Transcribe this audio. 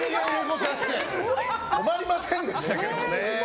止まりませんでしたけどね。